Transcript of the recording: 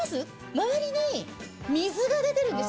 周りに水が出てるんですよ。